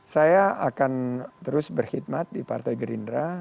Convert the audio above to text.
saya akan terus berkhidmat di partai gerindra